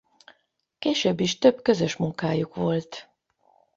Később is több közös munkájuk volt.